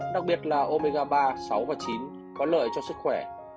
đặc biệt là omiga ba sáu và chín có lợi cho sức khỏe